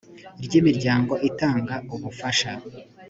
ry imiryango itanga ubufafasha